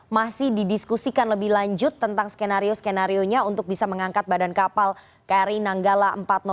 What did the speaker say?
masih didiskusikan lebih lanjut tentang skenario skenario nya untuk bisa mengangkat badan kapal kri nanggala empat ratus dua